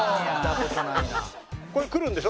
ここへ来るんでしょ？